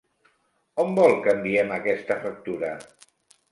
On vol que enviem aquesta factura?